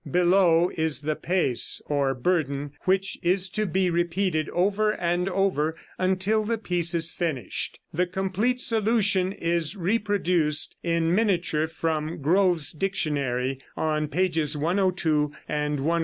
Below is the pes, or burden, which is to be repeated over and over until the piece is finished. The complete solution is reproduced in miniature from Grove's Dictionary, on pages 102 and 103.